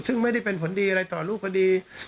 ซึ่งไม่ได้เป็นผลดีอะไรต่อรูปคดี